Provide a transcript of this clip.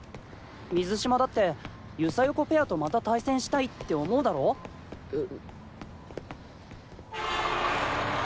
水嶋だってユサヨコペアとまた対戦したいって思うだろ？え。